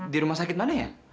di rumah sakit mana ya